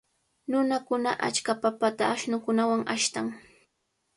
Nunakuna achka papata ashnukunawan ashtan.